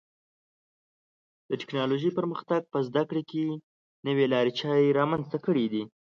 د ټکنالوژۍ پرمختګ په زده کړو کې نوې لارې چارې رامنځته کړې دي.